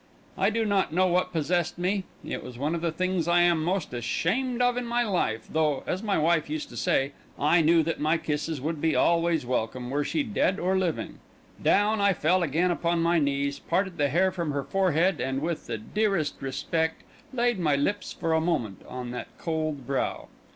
I do not know what possessed me; it was one of the things I am most ashamed of in my life, though, as my wife used to say, I knew that my kisses would be always welcome were she dead or living; down I fell again upon my knees, parted the hair from her forehead, and, with the dearest respect, laid my lips for a moment on that cold brow.